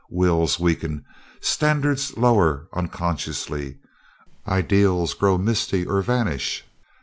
Wills weaken, standards lower unconsciously, ideals grow misty or vanish.